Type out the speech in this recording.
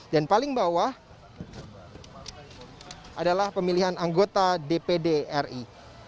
dan paling bawah adalah pemilihan anggota dpd ri